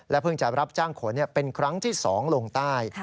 เพิ่งจะรับจ้างขนเป็นครั้งที่๒ลงใต้